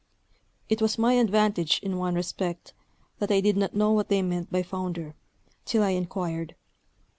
It was my advantage in one respect that I did not know what they meant by founder, till I inquired.